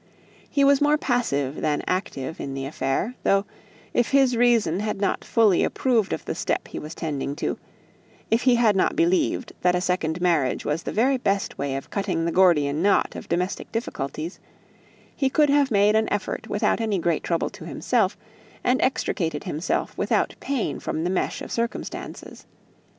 He was more passive than active in the affair; though, if his reason had not fully approved of the step he was tending to if he had not believed that a second marriage was the very best way of cutting the Gordian knot of domestic difficulties, he could have made an effort without any great trouble, and extricated himself without pain from the mesh of circumstances.